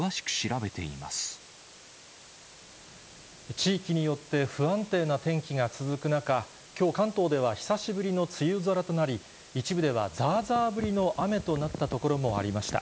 地域によって、不安定な天気が続く中、きょう、関東では久しぶりの梅雨空となり、一部ではざーざー降りの雨となった所もありました。